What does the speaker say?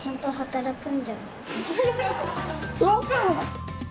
そうか。